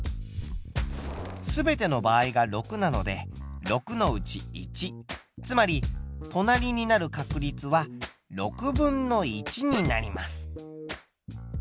すべての場合が６なので６のうち１つまり隣になる確率は６分の１になります。